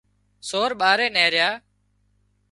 سور ٻاري نيهريا